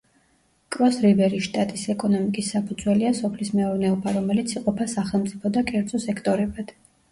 კროს-რივერის შტატის ეკონომიკის საფუძველია სოფლის მეურნეობა, რომელიც იყოფა სახელმწიფო და კერძო სექტორებად.